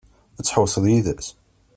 Ad tḥewwseḍ yid-s?